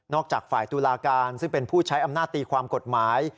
จากฝ่ายตุลาการซึ่งเป็นผู้ใช้อำนาจตีความกฎหมาย